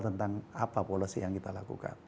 tentang apa policy yang kita lakukan